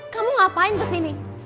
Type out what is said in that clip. kamu ngapain kesini